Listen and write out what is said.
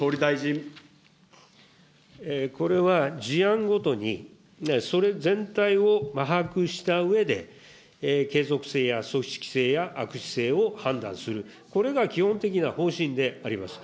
これは、事案ごとに、それ全体を把握したうえで、継続性や組織性や悪質性を判断する、これが基本的な方針であります。